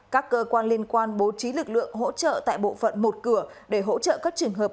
các cơ quan liên quan bố trí lực lượng hỗ trợ tại bộ phận một cửa để hỗ trợ các trường hợp